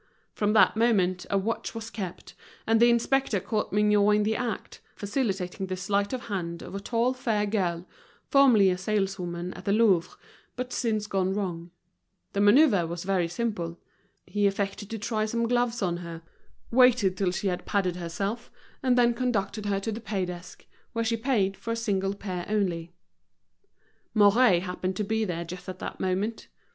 From that moment a watch was kept, and the inspector caught Mignot in the act, facilitating the sleight of hand of a tall fair girl, formerly a saleswoman at the Louvre, but since gone wrong: the maneuver was very simple, he affected to try some gloves on her, waited till she had padded herself, and then conducted her to the paydesk, where she paid for a single pair only. Mouret happened to be there, just at that moment.